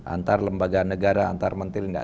antar lembaga negara antar menteri tidak